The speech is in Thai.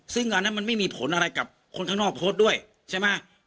ซึ่งอันนั้นมันไม่มีผลอะไรกับคนข้างนอกโพสต์ด้วยใช่ไหม